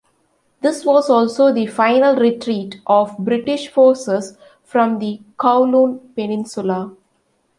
This was also the final retreat of British forces from the Kowloon Peninsula.